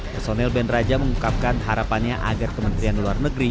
personel band raja mengungkapkan harapannya agar kementerian luar negeri